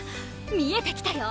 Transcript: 見えてきたよ！